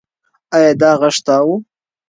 ایا دا غږ ستا و؟